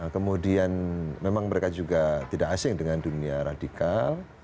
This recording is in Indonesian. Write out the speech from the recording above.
kemudian memang mereka juga tidak asing dengan dunia radikal